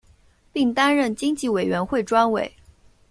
并担任经济委员会专委。